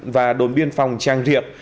và đồn biên phòng trang riệp